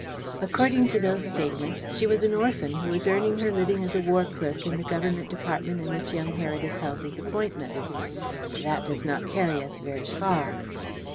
According to those statements, she was an orphan who was earning her living as a war clerk in the Government department in which young Heredith held his appointment. That does not carry us very far.